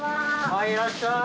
はいいらっしゃい！